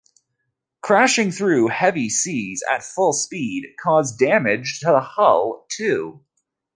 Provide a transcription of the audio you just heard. Crashing through heavy seas at full speed caused damage to the hull, too.